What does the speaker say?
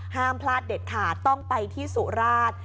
ห้ามพลาดเด็ดขาดต้องไปที่สุราช